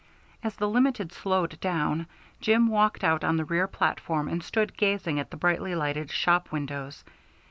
As the Limited slowed down, Jim walked out on the rear platform and stood gazing at the brightly lighted shop windows.